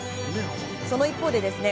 その一方でですね